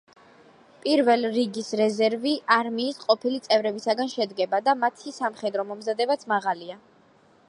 პირველ რიგის რეზერვი არმიის ყოფილი წევრებისაგან შედგება და მათი სამხედრო მომზადებაც მაღალია.